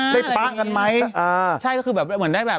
ได้ปะกันยั้งมั๊ย